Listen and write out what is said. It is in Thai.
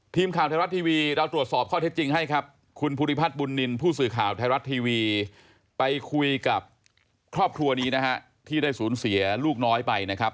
ไปคุยกับครอบครัวนี้นะฮะที่ได้สูญเสียลูกน้อยไปนะครับ